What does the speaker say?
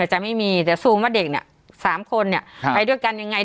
จะไม่มีแต่ซูมว่าเด็กเนี่ย๓คนเนี่ยไปด้วยกันยังไง